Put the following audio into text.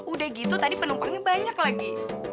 udah gitu tadi penumpangnya banyak lagi